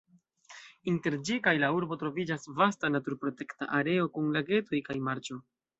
Inter ĝi kaj la urbo troviĝas vasta naturprotekta areo kun lagetoj kaj marĉo.